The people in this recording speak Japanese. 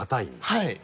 はい。